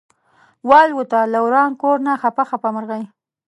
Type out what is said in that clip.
والوته له وران کور نه خپه خپه مرغۍ